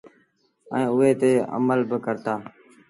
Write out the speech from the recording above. ائيٚݩ اُئي تي امل با ڪرتآ۔